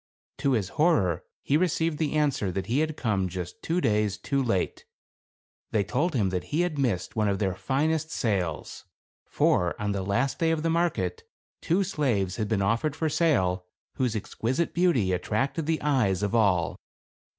To his horror, he received the answer that he had come just two days too late. They told him that he had missed one of their finest sales; for, on the last day of the market, two slaves had ueen offered for sale whose exquisite beauty attracted the eyes of all.